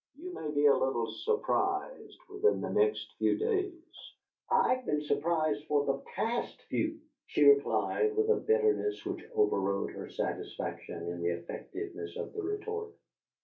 "You may be a little surprised within the next few days." "I've been surprised for the PAST few!" she replied, with a bitterness which overrode her satisfaction in the effectiveness of the retort.